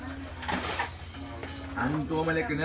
หยุดก็จะถูกจัดสัตว์ไอ้ผู้ความรักความรับ